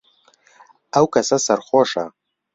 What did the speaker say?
ئەو کەسە سەرخۆشە.